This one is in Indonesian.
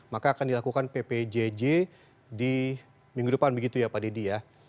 maka akan dilakukan ppjj di minggu depan begitu ya pak dedy ya